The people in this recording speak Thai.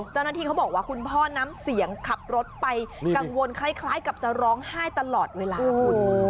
เจ้าหน้าที่เขาบอกว่าคุณพ่อน้ำเสียงขับรถไปกังวลคล้ายกับจะร้องไห้ตลอดเวลาคุณ